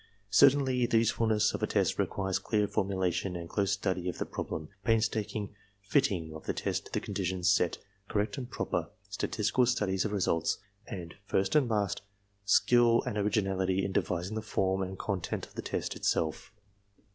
Certainly the useful ness of a test requires clear formulation and close study of the problem, painstaking "fitting" of the test to the conditions set, correct and proper statistical studies of results and, first and last, skill and originality in devising the form and content of the test itself.